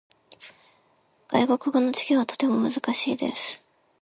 外国語の授業はとても難しいです。